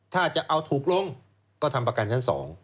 ถ้าจะเอาถูกลงก็ทำประกันชั้น๒